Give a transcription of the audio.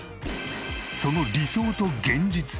その理想と現実とは？